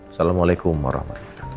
assalamualaikum warahmatullahi wabarakatuh